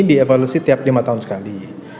dievaluasi tiap lima tahun sekali